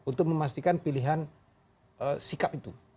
untuk memastikan pilihan sikap itu